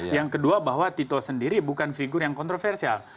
yang kedua bahwa tito sendiri bukan figur yang kontroversial